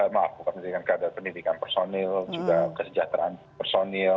maaf bukan pendidikan kader pendidikan personil juga kesejahteraan personil